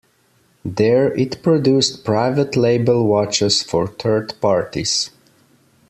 There it produced private label watches for third parties.